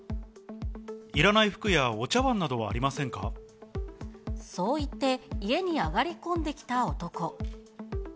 いらない服やお茶わんなどはそう言って、家に上がり込んできた男。